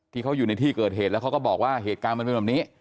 ที่เขาอยู่ในที่เกิดเหตุแล้วเขาก็บอกว่าเหตุการณ์มันเป็นแบบนี้